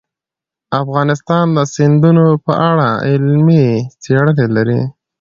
افغانستان د سیندونه په اړه علمي څېړنې لري.